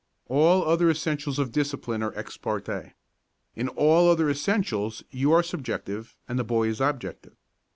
All other essentials of discipline are ex parte. In all other essentials you are subjective and the boy is objective.